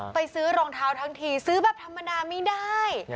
ซื้อรองเท้าทั้งทีซื้อแบบธรรมดาไม่ได้